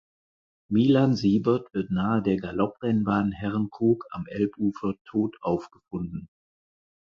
Milan Siebert wird nahe der Galopprennbahn Herrenkrug am Elbufer tot aufgefunden.